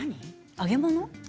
揚げ物？